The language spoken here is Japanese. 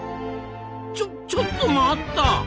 ちょちょっと待った！